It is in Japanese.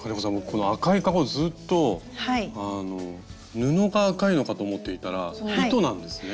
この赤いかごずっと布が赤いのかと思っていたら糸なんですね。